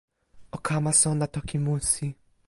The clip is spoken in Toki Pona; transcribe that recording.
o kama sona toki musi